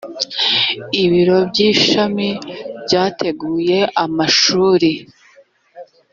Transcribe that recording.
ibiro by’ishami byateguye amashuri